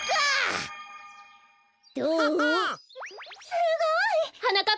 すごい！はなかっ